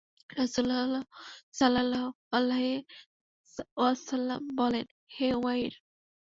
রাসূলুল্লাহ সাল্লাল্লাহু আলাইহি ওয়াসাল্লাম বললেন, হে উমাইর!